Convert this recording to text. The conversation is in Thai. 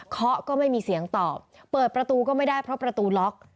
เขาก็ไม่มีเสียงตอบเปิดประตูก็ไม่ได้เพราะประตูล็อก